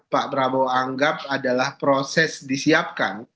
pak prabowo anggap adalah proses disiapkan